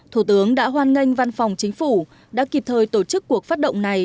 thủ tướng đã hoan nghênh văn phòng chính phủ đã kịp thời tổ chức cuộc phát động này